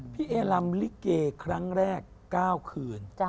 พี่แอลมริเกษครั้งแรก๙คืน